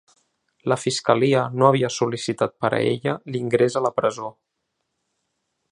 La fiscalia no havia sol·licitat per a ella l’ingrés a la presó.